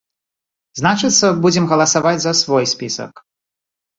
Значыцца, будзем галасаваць за свой спісак!